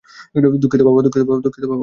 দুঃখিত, বাবা।